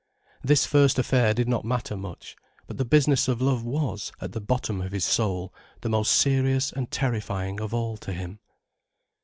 This first affair did not matter much: but the business of love was, at the bottom of his soul, the most serious and terrifying of all to him.